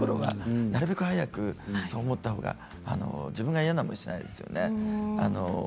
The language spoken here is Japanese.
なるべく早くそう思ったほうが自分が嫌な思いをしないですよね。